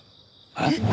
えっ！？